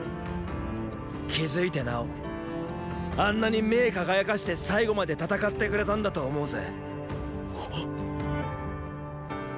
気付いてなおあんなに目ェ輝かして最後まで戦ってくれたんだと思うぜ。！